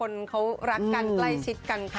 คนเขารักกันใกล้ชิดกันค่ะ